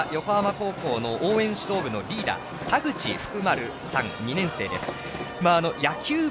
今、映っている横浜高校の応援指導部のリーダーたぐちさん２年生です。